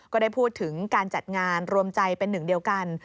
ก็ได้พูดถึงการจัดงานรวมใจเป็นหนึ่งเดียวกัน